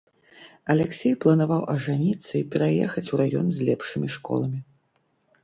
Аляксей планаваў ажаніцца і пераехаць у раён з лепшымі школамі.